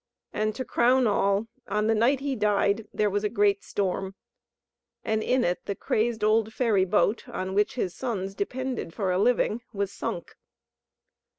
And to crown all, on the night he died, there was a great storm, and in it the crazy old ferry boat, on which his sons depended for a living, was sunk.